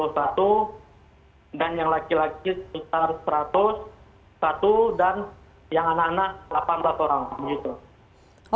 oke ahmad yang terakhir ini mungkin ada follow up ataupun pernyataan dari pihak unhcr seberapa besar sih peluang mereka untuk tetap bisa menetap sementara waktu ini di sana ahmad